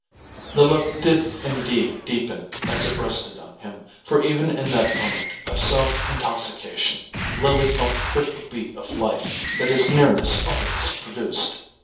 The look did indeed deepen as it rested on him, for even in that moment of self intoxication Lily felt the quicker beat of life that his nearness always produced.